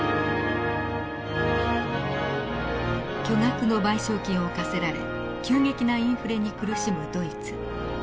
巨額の賠償金を課せられ急激なインフレに苦しむドイツ。